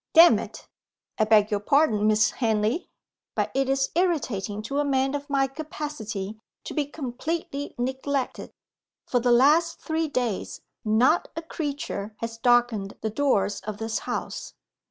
Damn it I beg your pardon, Miss Henley but it is irritating, to a man of my capacity, to be completely neglected. For the last three days not a creature has darkened the doors of this house.